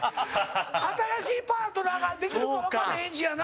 新しいパートナーができるかもわからへんしやな。